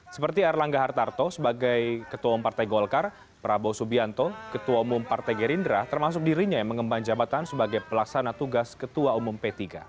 seperti erlangga hartarto sebagai ketua umum partai golkar prabowo subianto ketua umum partai gerindra termasuk dirinya yang mengembang jabatan sebagai pelaksana tugas ketua umum p tiga